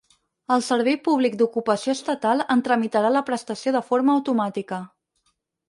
El Servei Públic d'Ocupació Estatal en tramitarà la prestació de forma automàtica.